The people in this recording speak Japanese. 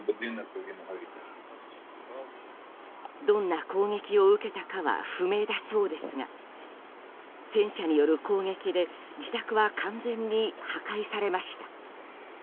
どんな攻撃を受けたかは不明だそうですが戦車による攻撃で自宅は完全に破壊されました。